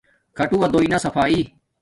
کھاٹووہ دوݵ نا صفایݵ